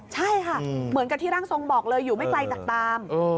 ใช่ค่ะเหมือนกับที่ร่างทรงบอกเลยอยู่ไม่ไกลจากตาม